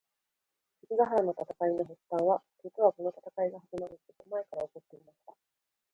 関ヶ原の戦いの発端は、実はこの戦いが始まるずっと前から起こっていました。